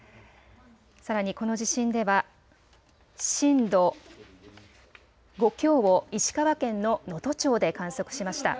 さらにこの地震では震度５強を石川県の能登町で観測しました。